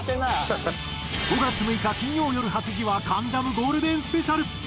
５月６日金曜よる８時は『関ジャム』ゴールデンスペシャル。